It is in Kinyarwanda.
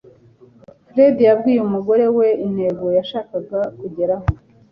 fred yabwiye umugore we intego yashakaga kugeraho